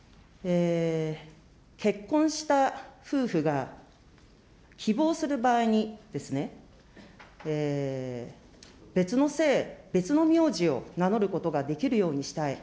結婚した夫婦が希望する場合にですね、別の姓、別の名字を名乗ることができるようにしたい。